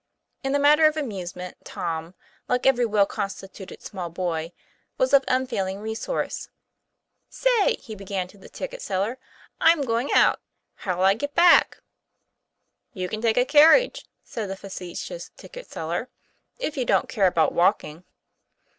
In the matter of amusement Tom, like every well consti tuted small boy, was of unfailing resource. "Say," he began to the ticket seller, a I'm going out: how' 11 I get back? " "You can take a carriage," said the facetious ticket seller, "if you don't care about walking."